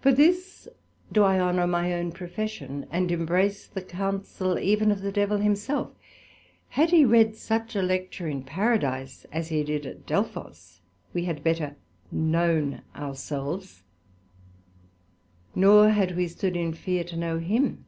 For this do I honour my own profession, and embrace the Counsel even of the Devil himself: had he read such a Lecture in Paradise as he did at Delphos, we had better known our selves; nor had we stood in fear to know him.